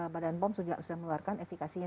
badan pom sudah meluarkan efekasinya